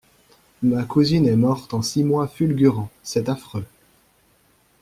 Ma cousine est morte en six mois fulgurants, c'est affreux.